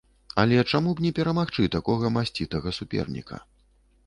Але чаму б не перамагчы такога масцітага суперніка!